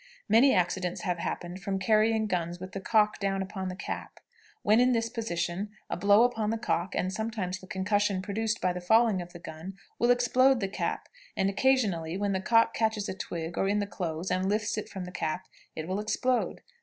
Many accidents have happened from carrying guns with the cock down upon the cap. When in this position, a blow upon the cock, and sometimes the concussion produced by the falling of the gun, will explode the cap; and, occasionally, when the cock catches a twig, or in the clothes, and lifts it from the cap, it will explode.